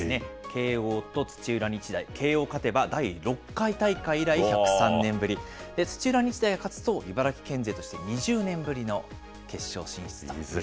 慶応と土浦日大、慶応勝てば、第６回大会以来１０３年ぶり、土浦日大が勝つと、茨城県勢として２０年ぶりの決勝進出となります。